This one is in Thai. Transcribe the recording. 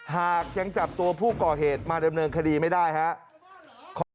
หากยังจับตัวผู้ก่อเหตุมาดำเนินคดีไม่ได้ครับ